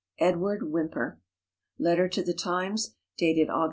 Edward Whymper. Letter to the Times, dated Aug.